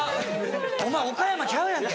お前岡山ちゃうやんけ。